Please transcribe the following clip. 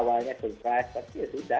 tapi ya sudah